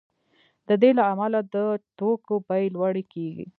د دې له امله د توکو بیې لوړې کیږي